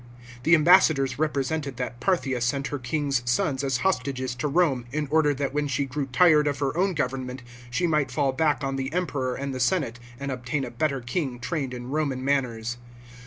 The ambassadors represented that Pa> thia sent her kinds' sons as hostages to Rome, in order that when she grew tired of her own government she might fall back on the Emperor and the senate, and obtain a better king trained in Roman manners.